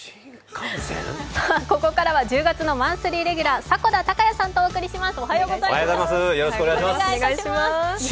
ここからは１０月のマンスリーレギュラー、迫田孝也さんとお伝えします。